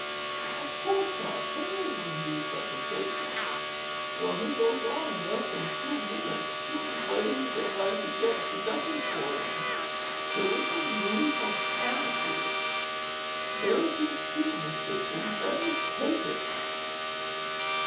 "Of course not. Terry wouldn't do such a thing!" "Well, he goes on in less than two minutes. Who in blazes am I to get to double for him? Deliver me from amateurs! There's your cue, Miss Dixon—better take it!"